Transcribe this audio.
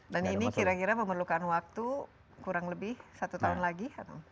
dan ini kira kira memerlukan waktu kurang lebih satu tahun lagi